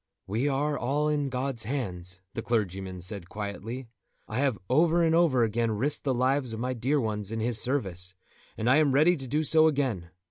"We are all in God's hands," the clergyman said quietly. "I have over and over again risked the lives of my dear ones in His service, and I am ready to do so again.